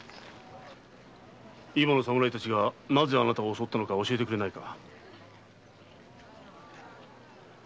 今の侍たちがなぜあなたを襲ったのか教えてくれないか。